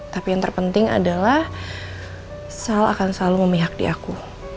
tapi yang terpenting adalah sel akan selalu memihak di aku